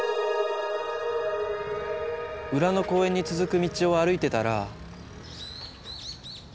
裏の公園に続く道を歩いてたら。